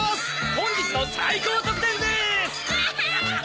本日の最高得点です！わい！